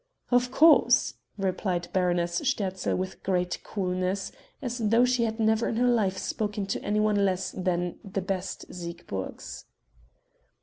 "Of course," replied Baroness Sterzl with great coolness, as though she had never in her life spoken to anyone less than "the best Siegburgs."